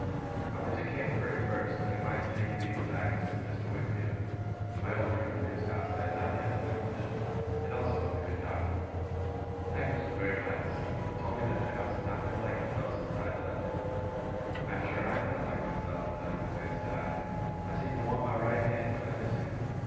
I went to Canterbury first, that I might take leave of Agnes and Mr. Wickfield (my old room in whose house I had not yet relinquished), and also of the good Doctor. Agnes was very glad to see me, and told me that the house had not been like itself since I had left it. 'I am sure I am not like myself when I am away,' said I. 'I seem to want my right hand, when I miss you.